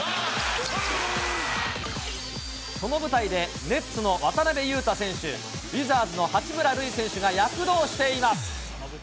その舞台でネッツの渡邊雄太選手、ウィザーズの八村塁選手が躍動しています。